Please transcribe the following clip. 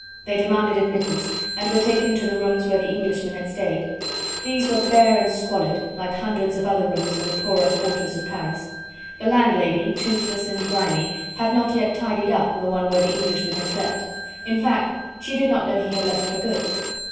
They demanded admittance, and were taken to the rooms where the Englishman had stayed. These were bare and squalid, like hundreds of other rooms in the poorer quarters of Paris. The landlady, toothless and grimy, had not yet tidied up the one where the Englishman had slept: in fact she did not know he had left for good.